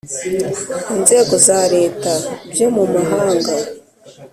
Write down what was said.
inzego za Leta byo mu mahanga